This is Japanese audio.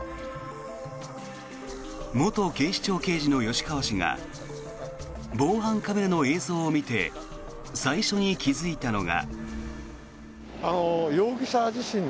元警視庁刑事の吉川氏が防犯カメラの映像を見て最初に気付いたのが。